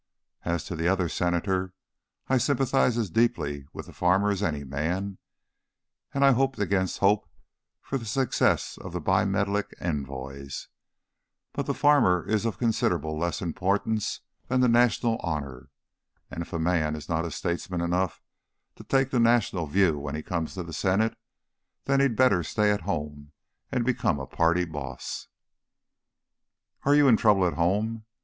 As to the other Senator I sympathize as deeply with the farmer as any man, and I hoped against hope for the success of the bimetallic envoys; but the farmer is of considerably less importance than the national honour; and if a man is not statesman enough to take the national view when he comes to the Senate, he had better stay at home and become a party boss." "Are you in trouble at home?